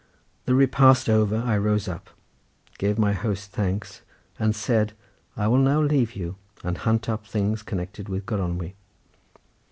The repast over I rose up, gave my host thanks, and said "I will now leave you, and hunt up things connected with Gronwy."